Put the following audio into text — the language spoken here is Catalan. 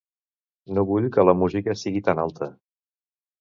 No vull que la música estigui tan alta.